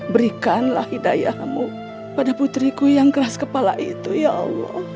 berikanlah hidayah kamu pada putriku yang keras kepala itu ya allah